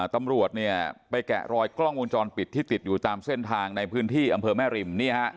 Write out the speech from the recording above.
ตำรวจเนี่ยไปแกะรอยกล้องวงจรปิดที่ติดอยู่ตามเส้นทางในพื้นที่อำเภอแม่ริม